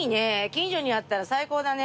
近所にあったら最高だね。